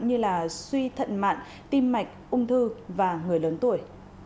như là suy thận mạn tim mạch ung thư và người lớn tuổi